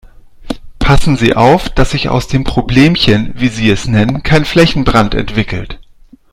Passen Sie auf, dass sich aus dem Problemchen, wie Sie es nennen, kein Flächenbrand entwickelt.